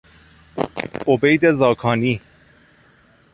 عبید زاکانی